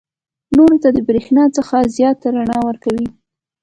نورو ته د برېښنا څخه زیاته رڼا ورکوي.